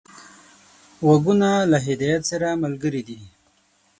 غوږونه له هدایت سره ملګري دي